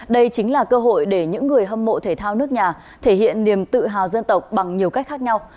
đây chính là cơ hội để những người hâm mộ thể thao nước nhà thể hiện niềm tự hào dân tộc bằng nhiều cách khác nhau